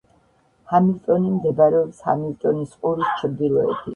ჰამილტონი მდებარეობს ჰამილტონის ყურის ჩრდილოეთით.